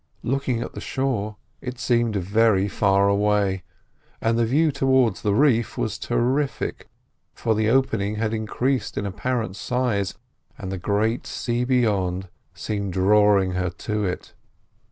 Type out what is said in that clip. Looking at the shore it seemed very far away, and the view towards the reef was terrific, for the opening had increased in apparent size, and the great sea beyond seemed drawing her to it.